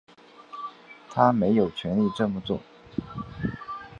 他没有权力这么做